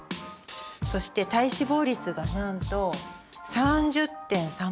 そして体脂肪率がなんと３０．３％です。